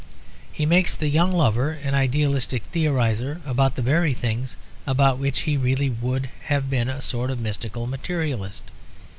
He makes the young lover an idealistic theoriser about the very things about which he really would have been a sort of mystical materialist.